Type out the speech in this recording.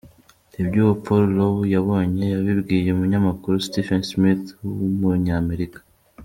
Ibyo uwo Paul Lowe yabonye, yabibwiye Umunyamakuru Stephen Smith w’umunyamerika,.